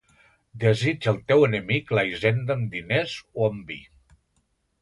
Desitja el teu enemic la hisenda amb diners o amb vi.